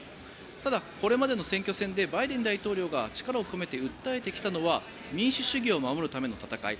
ただ、これまでの選挙戦でバイデン大統領が力を込めて訴えてきたのは民主主義を守るための戦い